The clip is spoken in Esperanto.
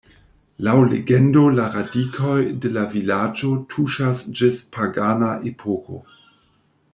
Laŭ legendo la radikoj de la vilaĝo tuŝas ĝis pagana epoko.